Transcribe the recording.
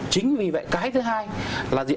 chính vì vậy cái thứ hai là gì